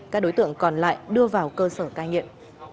các đối tượng còn lại đưa vào cơ sở cai nghiện